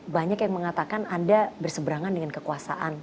banyak yang mengatakan anda berseberangan dengan kekuasaan